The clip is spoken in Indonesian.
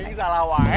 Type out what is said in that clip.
ini salah wae